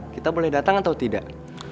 kita boleh datang atau tidak